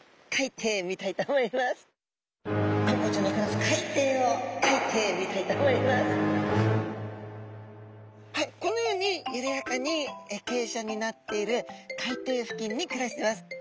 そしてはいこのようにゆるやかにけいしゃになっている海底付近に暮らしてます。